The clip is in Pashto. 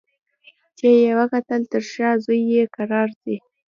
چي یې وکتل تر شا زوی یې کرار ځي